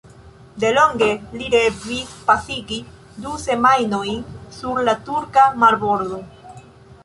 Delonge ili revis pasigi du semajnojn sur la turka marbordo.